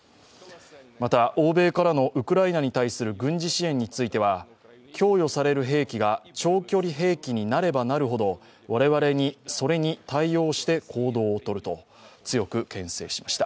また欧米からのウクライナに対する軍事支援については供与される兵器が長距離兵器になればなるほど我々はそれに対応して行動をとると強くけん制しました。